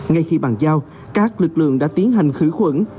ngay khi bàn giao các lực lượng đã tiến hành khử khuẩn